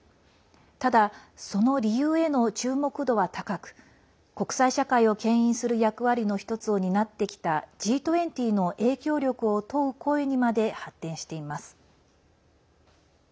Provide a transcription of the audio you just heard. ただ、その理由への注目度は高く国際社会をけん引する役割の１つを担ってきたＧ２０の影響力を問う声にまで発展しています。